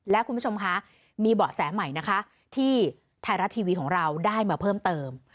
และคุณผู้ชมคะมีเบาะแสใหม่นะคะที่ไทยรัฐทีวีของเราได้มาเพิ่มเติม